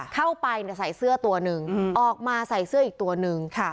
เข้าไปใส่เสื้อตัวหนึ่งออกมาใส่เสื้ออีกตัวนึง